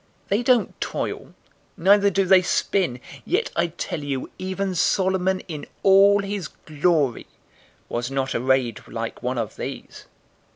They don't toil, neither do they spin; yet I tell you, even Solomon in all his glory was not arrayed like one of these.